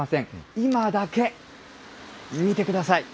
今だけ、見てください。